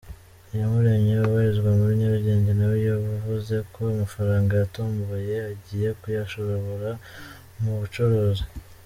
Iyamuremye ubarizwa muri Nyarugenge nawe yavuze ko amafaranga yatomboye agiye kuyashobora mu bucuruzi.